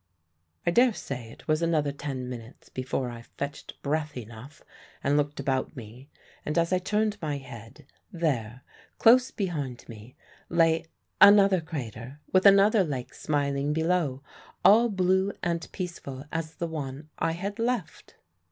"I daresay it was another ten minutes before I fetched breath enough and looked about me; and as I turned my head, there, close behind me, lay another crater with another lake smiling below, all blue and peaceful as the one I had left!